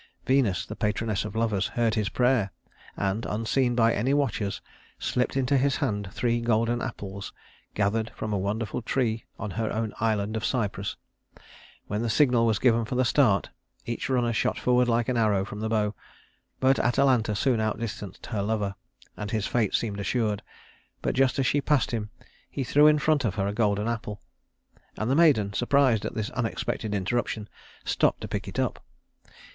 Venus, the patroness of lovers, heard his prayer, and, unseen by any watchers, slipped into his hand three golden apples gathered from a wonderful tree on her own island of Cyprus. When the signal was given for the start, each runner shot forward like an arrow from the bow; but Atalanta soon outdistanced her lover, and his fate seemed assured; but just as she passed him he threw in front of her a golden apple, and the maiden, surprised at this unexpected interruption, stopped to pick it up.